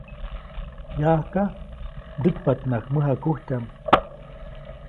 Yaʼajka, ndäkpaʼtnaʼajk mäjakujtyaʼm.